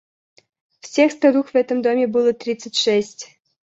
Всех старух в этом доме было тридцать шесть.